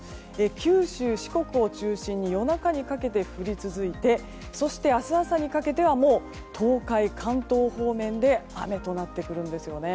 九州・四国を中心に夜中にかけて降り続いてそして明日朝にかけてはもう東海、関東方面で雨となってくるんですよね。